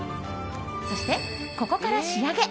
そして、ここから仕上げ。